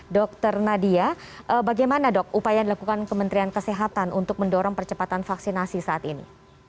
dr nadia bagaimana dok upaya yang dilakukan kementerian kesehatan untuk mendorong percepatan vaksinasi saat ini